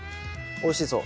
おいしそう。